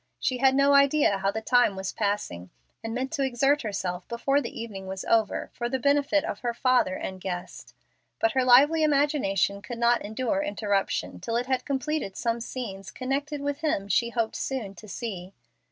She had no idea how the time was passing, and meant to exert herself before the evening was over for the benefit of her father and guest. But her lively imagination could not endure interruption till it had completed some scenes connected with him she hoped so soon to see.